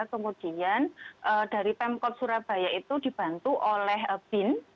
kemudian dari pemkot surabaya itu dibantu oleh bin